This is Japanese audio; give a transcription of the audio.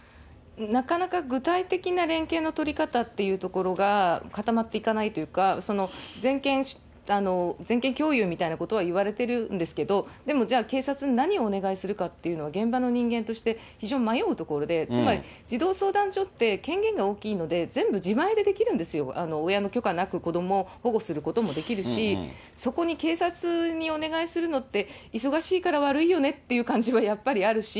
なかなか具体的な連携の取り方っていうところがかたまっていかないっていうか、全権共有みたいなことはいわれてるんですけれども、じゃあ、警察に何をお願いするかっていうのは、現場の人間として非常に迷うところで、つまり児童相談所って、権限が大きいので、全部自前でできるんですよ、親の許可なく子どもを保護することもできるし、そこに警察にお願いするのって、忙しいから悪いよねっていう感じはやっぱりあるし。